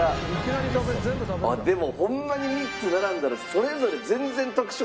あっでもホンマに３つ並んだらそれぞれ全然特色が違いますね。